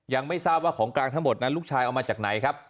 ยังไม่ทราบว่าของกลางทั้งหมดนั้นลูกชายเอามาจากไหนครับ